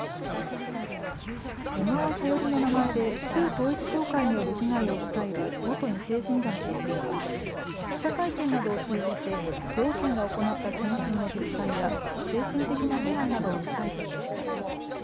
小川さゆりの名前で旧統一教会による被害を訴える元２世信者の女性は記者会見などを通じて両親が行った献金の実態や精神的な被害などを訴えていました。